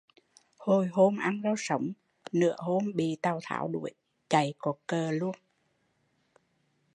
Hồi hôm ăn rau sống, nửa hôm bị Tào Tháo đuổi, chạy có cờ